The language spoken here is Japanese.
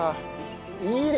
いいね！